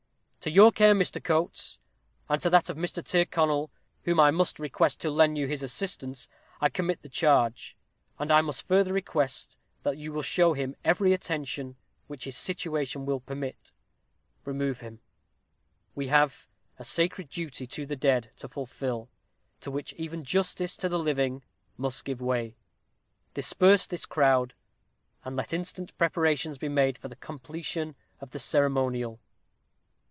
"To your care, Mr. Coates, and to that of Mr. Tyrconnel, whom I must request to lend you his assistance, I commit the charge; and I must further request, that you will show him every attention which his situation will permit. Remove him. We have a sacred duty to the dead to fulfil, to which even justice to the living must give way. Disperse this crowd, and let instant preparations be made for the completion of the ceremonial.